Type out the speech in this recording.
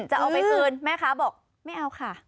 จะเอาไปคืนแม่ค้าบอกไม่เอาค่ะ